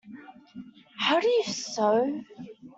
How do you sew?